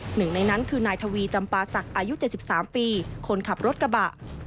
หนึ่งในนั้นคือนายทวีจำปาศักดิ์อายุ๗๓ปีคนขับรถกระบะ